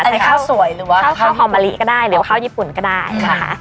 อันนี้ข้าวสวยหรือว่าข้าวหอมมะลิก็ได้หรือข้าวญี่ปุ่นก็ได้นะคะ